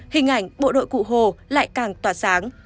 hình ảnh bộ đội cụ hồ lại càng tỏa sáng